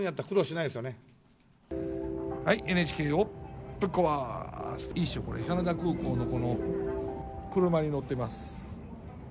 いいでしょ、これ、羽田空港の、この車に乗ってます。